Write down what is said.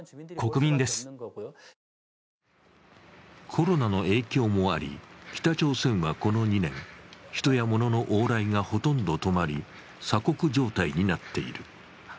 コロナの影響もあり北朝鮮はこの２年、人や物の往来がほとんど止まり、鎖国状態になっている。